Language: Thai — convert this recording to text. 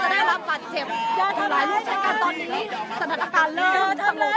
ถ้าอาจารย์ไม่มีเซอรี่ให้ไม่เป็นไรใช่ไหมครับอาจารย์นั่งได้หรือเปล่าครับ